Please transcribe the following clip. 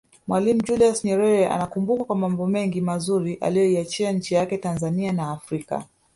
Mwalimu Julius Nyerere anakumbukwa kwa mambo mengi mazuri aliyoiachia nchi yake Tanzania na Afrika